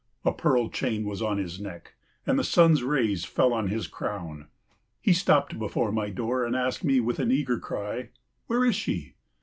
A pearl chain was on his neck, and the sun's rays fell on his crown. He stopped before my door and asked me with an eager cry, "Where is she?"